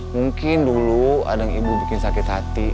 mungkin dulu adang ibu bikin sakit hati